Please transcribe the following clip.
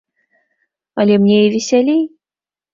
Але мне і весялей!